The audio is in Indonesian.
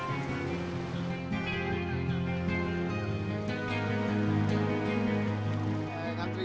he ngantri ngantri